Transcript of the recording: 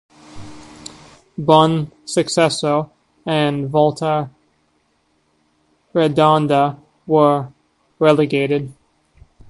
Bonsucesso and Volta Redonda were relegated.